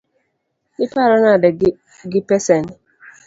Iparo nade gi pesani?